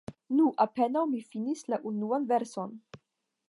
Nu, apenaŭ mi finis la unuan verson.